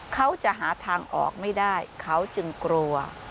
เขาจะหาทางออกไม่ได้เขาจึงกลัว